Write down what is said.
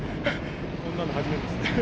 こんなの初めてですね。